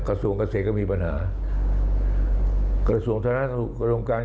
กระทรวงเศรษฐกิจหมดเลยใช่ไหมหมดเลย